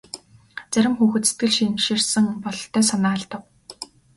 Зарим хүүхэд сэтгэл шимширсэн бололтой санаа алдав.